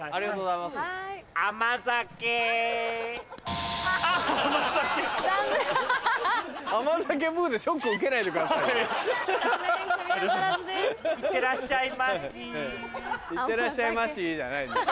「いってらっしゃいまし！」じゃないんですよ。